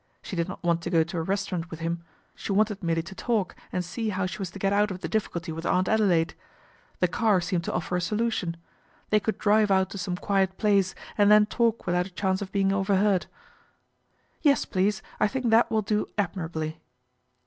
She did no want to go to a restaurant with him, she wante merely to talk and see how she was to get ou of the difficulty with Aunt Adelaide. The c seemed to offer a solution. They could driv out to some quiet place and then talk without a chance of being overheard. ' Yes, please, I think that will do admirably."